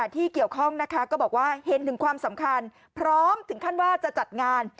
ที่เกี่ยวข้องนะคะก็บอกว่าเห็นถึงความสำคัญพร้อมถึงขั้นว่าจะจัดงาน